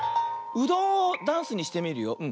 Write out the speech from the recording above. うどんをダンスにしてみるよ。